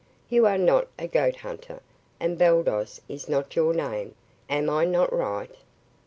You are not a goat hunter, and Baldos is not your name. Am I not right?"